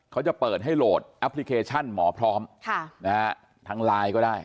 เขาจะเปิดให้โหลดแอปพลิเคชันหมอพร้อมทางไลน์ก็ได้